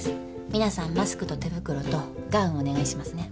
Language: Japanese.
皆さんマスクと手袋とガウンお願いしますね。